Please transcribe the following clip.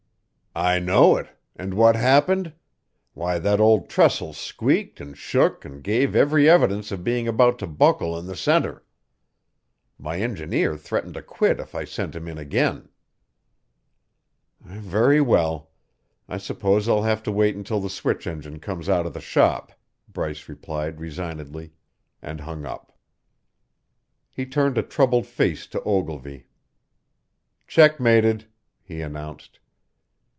"I know it. And what happened? Why, that old trestle squeaked and shook and gave every evidence of being about to buckle in the centre. My engineer threatened to quit if I sent him in again." "Very well. I suppose I'll have to wait until the switch engine comes out of the shop," Bryce replied resignedly, and hung up. He turned a troubled face to Ogilvy. "Checkmated!" he announced.